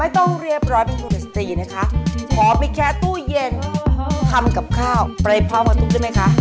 โปรดใช้วิจารณญาณในการรับชิม